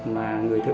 mà người thợ